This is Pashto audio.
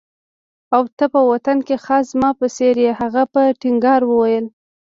او ته په باطن کې خاص زما په څېر يې. هغه په ټینګار وویل.